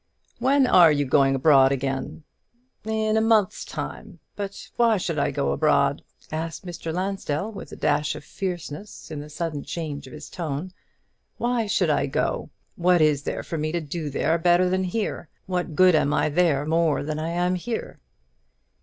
"When are you going abroad again?" "In a month's time. But why should I go abroad?" asked Mr. Lansdell, with a dash of fierceness in the sudden change of his tone; "why should I go? what is there for me to do there better than here? what good am I there more than I am here?"